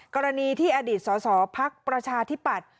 กรณีที่อดีตสสพักประชาธิปัตย์